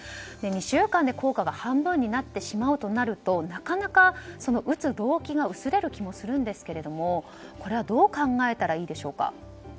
２週間で効果が半分になってしまうとなるとなかなか打つ動機が薄れる気もするんですけどもこれはどう考えたらいいでしょうか。